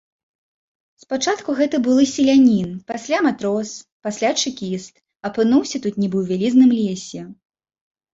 Спачатку гэты былы селянін, пасля матрос, пасля чэкіст, апынуўся тут нібы ў вялізным лесе.